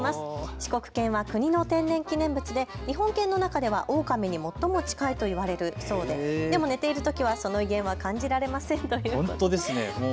四国犬は国の天然記念物で日本犬の中ではオオカミに最も近いと言われるそうででも寝ているときはその威厳は感じられませんということです。